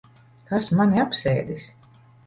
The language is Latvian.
Kas mani apsēdis?